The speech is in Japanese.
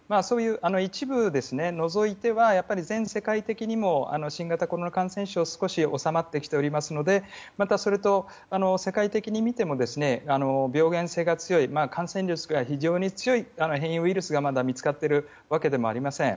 一部を除いては全世界的にも新型コロナ感染者が少し収まってきていますのでまたそれと、世界的に見ても病原性が強い感染力が非常に強い変異ウイルスが見つかっているわけでもありません。